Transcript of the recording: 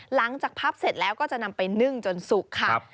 หลังจากพับเสร็จแล้วก็จะนำไปนึ่งจนสุกค่ะ